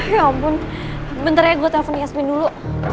ya ampun bentar ya gue telepon yasmin dulu